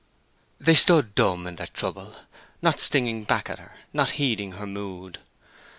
They stood dumb in their trouble, not stinging back at her; not heeding her mood.